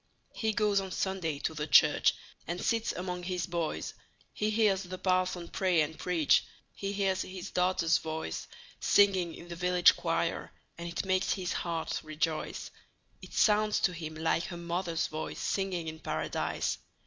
He goes on Sunday to the church, And sits among his boys; He hears the parson pray and preach, He hears his daughter's voice, Singing in the village choir, And it makes his heart rejoice. It sounds to him like her mother's voice, Singing in Paradise!